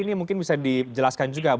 ini mungkin bisa dijelaskan juga